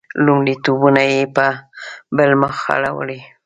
لومړیتونه یې په بل مخ اړولي.